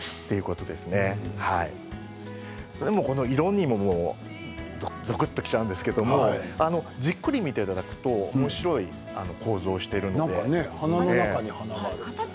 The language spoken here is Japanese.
色にもぞくっとしまうんですけどじっくり見ていただくとおもしろい構造をしています。